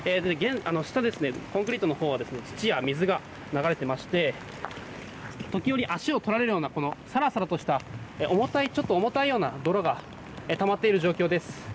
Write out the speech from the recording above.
下、コンクリートのほうは土や水が流れていまして時折足を取られるようなさらさらとしたちょっと重たいような泥がたまっている状況です。